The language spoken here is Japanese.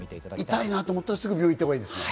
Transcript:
痛いなと思ったらすぐに病院行ったほうがいいですね。